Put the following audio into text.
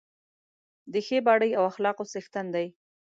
د ښې باډۍ او اخلاقو څښتن دی.